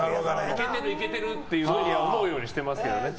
いけてるいけてるって思うようにしてますけどね。